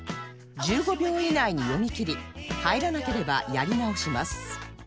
１５秒以内に読みきり入らなければやり直します